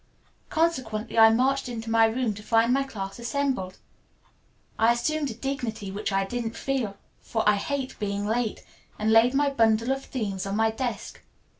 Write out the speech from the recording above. Consequently I marched into my room to find my class assembled. I assumed a dignity which I didn't feel, for I hate being late, and laid my bundle of themes on my desk.